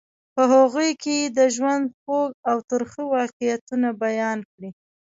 په هغوی کې یې د ژوند خوږ او ترخه واقعیتونه بیان کړي.